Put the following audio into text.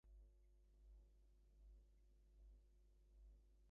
লক্ষণ দেখিয়া বোধ হয় বাদলার সন্ধ্যাটা সম্পূর্ণ ব্যর্থ না যাইতেও পারে।